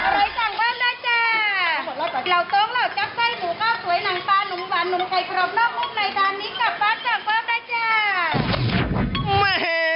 แม่เฮ